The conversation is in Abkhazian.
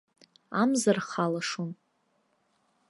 Амза рхалашон.